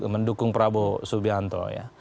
mendukung prabowo subianto ya